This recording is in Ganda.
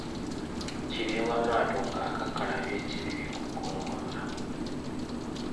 Kireewa Maato ng'akakkalabya e Kibibi ku ggombolola.